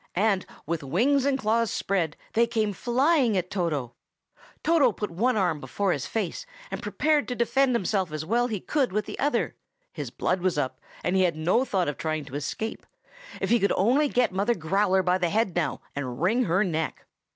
and, with wings and claws spread, they came flying at Toto. Toto put one arm before his face, and prepared to defend himself as well as he could with the other. His blood was up, and he had no thought of trying to escape. If he could only get Mother Growler by the head now, and wring her neck!